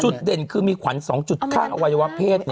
จุดเด่นคือมีขวัญ๒๕วัยวะเพศ